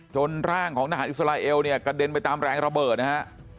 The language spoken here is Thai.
ร่างของทหารอิสราเอลเนี่ยกระเด็นไปตามแรงระเบิดนะฮะ